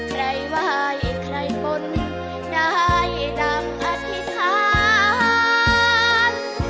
ใครว่ายใครปนได้ดังอธิษฐาน